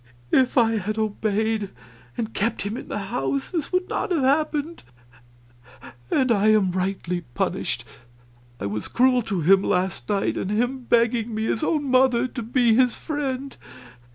If I had obeyed, and kept him in the house, this would not have happened. And I am rightly punished; I was cruel to him last night, and him begging me, his own mother, to be his friend."